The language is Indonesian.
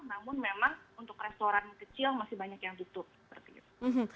namun memang untuk restoran kecil masih banyak yang tutup seperti itu